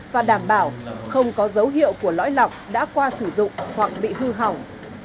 và đảm bảo không có dấu hiệu của lõi lọc đã qua sử dụng hoặc bị hư hỏng